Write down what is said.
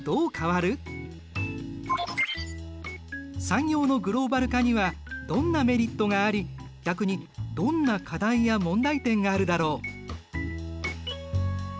産業のグローバル化にはどんなメリットがあり逆にどんな課題や問題点があるだろう。